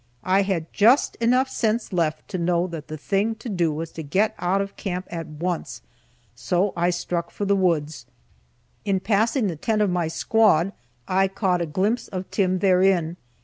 I had just sense enough left to know that the thing to do was to get out of camp at once, so I struck for the woods. In passing the tent of my squad, I caught a glimpse of Tim therein.